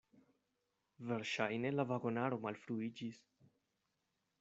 Verŝajne la vagonaro malfruiĝis.